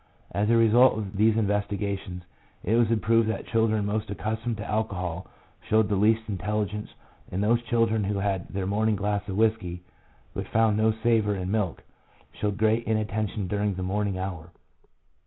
As a result of these investigations, it was proved that children most accustomed to alcohol showed the least intelligence ; and those children who had their morning glass of whisky, but found no savour in milk, showed great inattention during the morning hour.